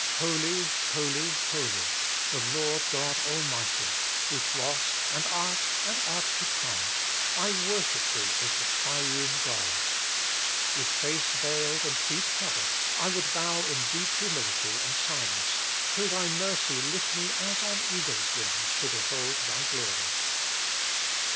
Holy, holy, holy, the Lord God Almighty ! which wast, and art, and art to come ! I worship Thee as the Triune God. With face veiled and feet covered, I would bow in deep humility and silence, till Thy mercy lift me as on eagles' wings to behold Thy glory.